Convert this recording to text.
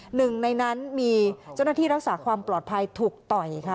หนึ่งในนั้นมีเจ้าหน้าที่รักษาความปลอดภัยถูกต่อยค่ะ